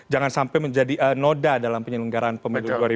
jangan sampai menjadi noda dalam penyelenggaraan pemilu tahun dua ribu dua puluh